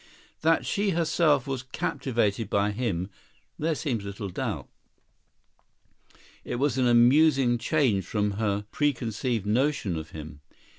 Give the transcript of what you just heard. That she herself was captivated by him there seems no doubt. It was an amusing change from her preconceived notion of him.